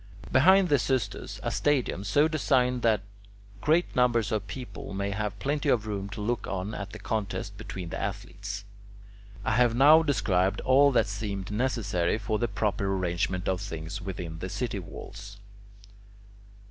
Behind the "xystus" a stadium, so designed that great numbers of people may have plenty of room to look on at the contests between the athletes. I have now described all that seemed necessary for the proper arrangement of things within the city walls.